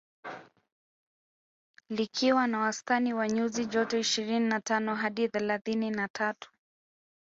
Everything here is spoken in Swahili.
Likiwa na wastani wa nyuzi joto ishirini na tano hadi thelathini na tatu